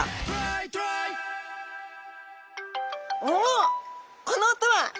おおこの音は！